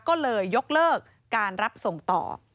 ก็เลยยกเลิกการรับส่งต่อ